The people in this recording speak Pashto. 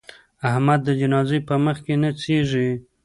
احمد د جنازې په مخ کې نڅېږي.